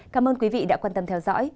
cảm ơn quý vị đã quan tâm theo dõi